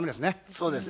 そうですね。